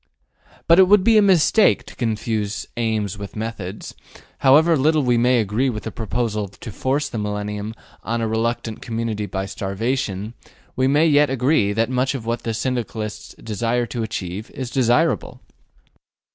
But it would be a mistake to confuse aims with methods: however little we may agree with the proposal to force the millennium on a reluctant community by starvation, we may yet agree that much of what the Syndicalists desire to achieve is desirable.